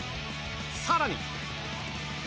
さらに。